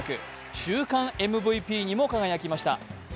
週間ＭＶＰにも輝きました。